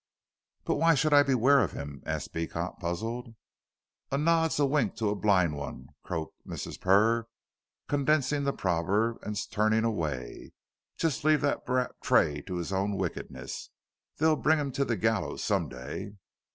"But why should I beware of him?" asked Beecot, puzzled. "A nod's a wink to a blind 'un," croaked Mrs. Purr, condensing the proverb, and turning away. "Jus' leave that brat, Tray, to his own wickedness. They'll bring him to the gallers some day."